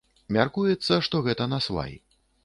Мяркуецца, што гэта насвай.